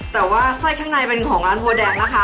แต่ว่าไส้ข้างในเป็นของร้านบัวแดงนะคะ